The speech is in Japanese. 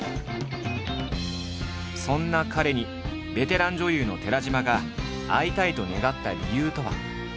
そんな彼にベテラン女優の寺島が会いたいと願った理由とは。